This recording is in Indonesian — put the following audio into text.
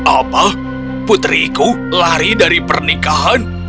apa putriku lari dari pernikahan